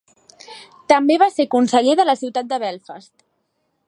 També va ser conseller de la ciutat de Belfast.